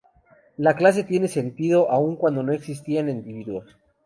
La clase tiene sentido aun cuando no existan individuos.